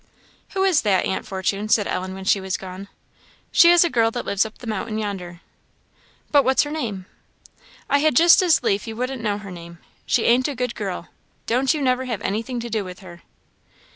"Who is that, aunt Fortune?" said Ellen, when she was gone. "She is a girl that lives up on the mountain yonder." "But what's her name?" "I had just as lief you wouldn't know her name. She ain't a good girl. Don't you never have anything to do with her."